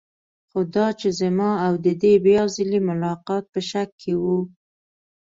خو دا چې زما او د دې بیا ځلې ملاقات په شک کې و.